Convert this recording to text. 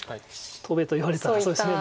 トベと言われたらそうですね